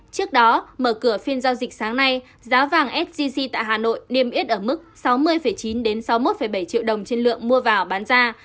trước đó mở cửa phiên giao dịch sáng nay giá vàng sgc tại hà nội niêm yết ở mức sáu mươi chín sáu mươi một bảy triệu đồng trên lượng mua vào bán ra